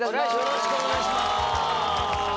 よろしくお願いします！